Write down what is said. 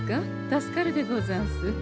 助かるでござんす。